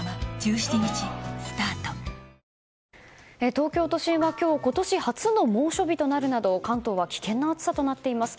東京都心は今日今年初の猛暑日となるなど関東は危険な暑さとなっています。